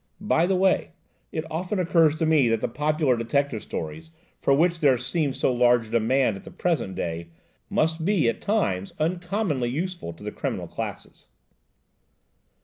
By the way, it often occurs to me that the popular detective stories, for which there seems to large a demand at the present day, must be, at times, uncommonly useful to the criminal classes."